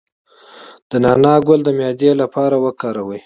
د نعناع ګل د معدې لپاره وکاروئ